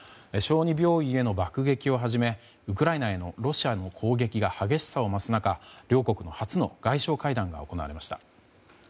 小児病院への爆撃をはじめウクライナへのロシアの攻撃が激しさを増す中両国初の外相会談が行われました。